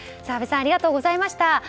阿部さんありがとうございました。